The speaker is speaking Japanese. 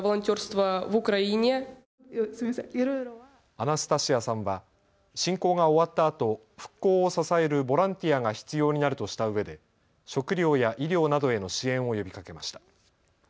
アナスタシアさんは侵攻が終わったあと復興を支えるボランティアが必要になるとしたうえで食料や医療などへの支援を呼びかけました。